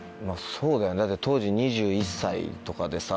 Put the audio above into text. そうだよね当時２１歳とかでさ